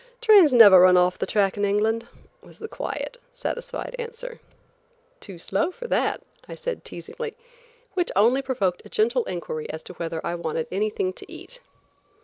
"Trains never run off the track in England," was the quiet, satisfied answer. "Too slow for that," I said teasingly, which only provoked a gentle inquiry as to whether I wanted anything to eat.